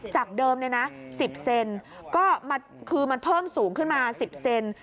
จากเดิมเนี่ยนะ๑๐เซนก็คือมันเพิ่มสูงขึ้นมา๑๐เซน